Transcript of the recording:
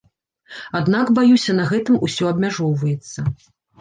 Аднак, баюся, на гэтым усё абмяжоўваецца.